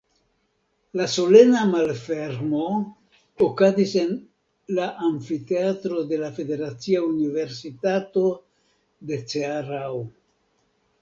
La solena malfermo okazis en la amfiteatro de la Federacia Universitato de Cearao.